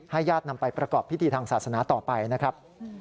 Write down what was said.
ญาตินำไปประกอบพิธีทางศาสนาต่อไปนะครับ